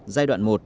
giai đoạn một